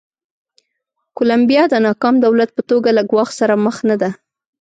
کولمبیا د ناکام دولت په توګه له ګواښ سره مخ نه ده.